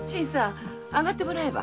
上がってもらえば？